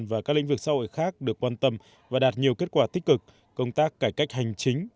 và các lĩnh vực xã hội khác được quan tâm và đạt nhiều kết quả tích cực công tác cải cách hành chính